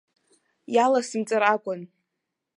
Иаласымҵар акәын.